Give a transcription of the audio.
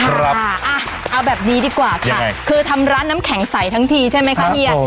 เอาแบบนี้ดีกว่าค่ะคือทำร้านน้ำแข็งใสทั้งทีใช่ไหมคะเฮีย